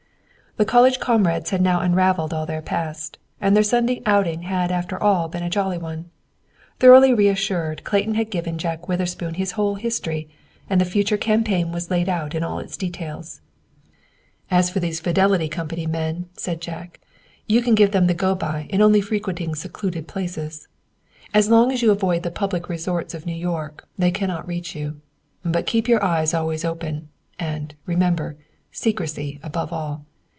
The college comrades had now unravelled all the past, and their Sunday outing had after all been a jolly one. Thoroughly reassured, Clayton had given Jack Witherspoon his whole history, and the future campaign was laid out in all its details. "As for these Fidelity Company men," said Jack, "you can give them the go by in only frequenting secluded places. "As long as you avoid the public resorts of New York, they cannot reach you. But keep your eyes always open. And, remember, secrecy above all.